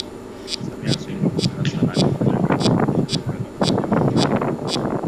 Samia Suluhu Hassan alifanya kazi na shirika la umoja wa mataifa